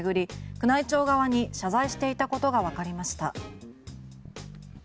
宮内庁側に謝罪していたことがわかりました。